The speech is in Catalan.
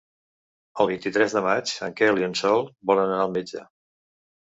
El vint-i-tres de maig en Quel i en Sol volen anar al metge.